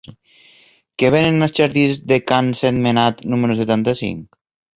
Què venen als jardins de Can Sentmenat número setanta-cinc?